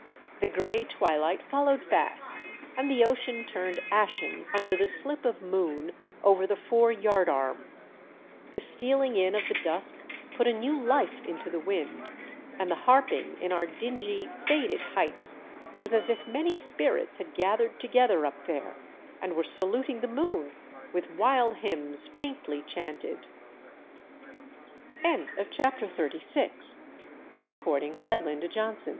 The grey twilight followed fast, and the ocean turned ashen under the slip of moon over the fore yard arm. The stealing in of the dusk put a new life into the wind, and the harping in our dingy, faded heights was as if many spirits had gathered together up there and were saluting the moon with v/ild hymns faintly chant